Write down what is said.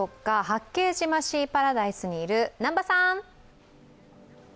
八景島シーパラダイスにいる南波さん。